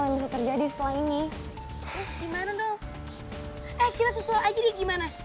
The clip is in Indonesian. yang bisa terjadi setelah ini gimana tuh